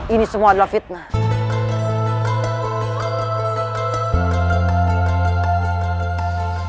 ini semua adalah fitnah